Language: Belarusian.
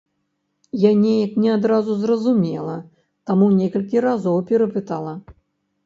Я неяк не адразу зразумела, таму некалькі разоў перапытала.